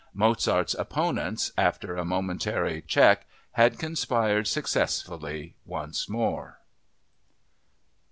Mozart's opponents, after a momentary check, had conspired successfully once more.